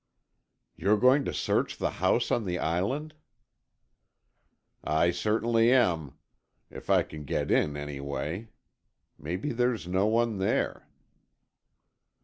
"You're going to search the house on the Island?" "I certainly am, if I can get in any way. Maybe there's no one there."